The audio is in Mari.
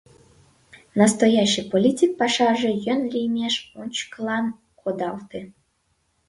Настоящий политик пашаже йӧн лиймеш ончыкылан кодалте.